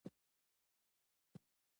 افغانستان د زغال په برخه کې نړیوال شهرت لري.